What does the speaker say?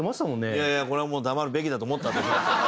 いやいやこれはもう黙るべきだと思ったんです。